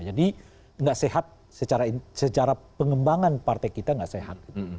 jadi nggak sehat secara pengembangan partai kita nggak sehat